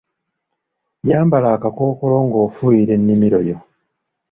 Yambala akakkookolo ng'ofuuyira ennimiro yo.